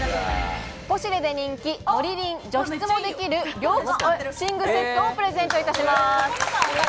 ポシュレで人気「モリリン除湿もできる涼感寝具セット」をプレゼントいたします。